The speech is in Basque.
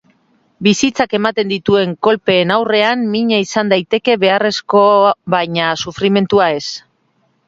Bizitzak ematen dituen kolpeen aurrean mina izan daiteke beharrezko baina sufrimentua ez.